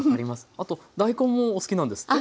あと大根もお好きなんですって？